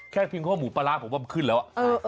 แค่พิมพ์ข้อหมูปลาร้าผมว่ามันขึ้นแล้ว